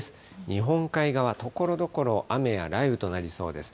日本海側、ところどころ雨や雷雨となりそうです。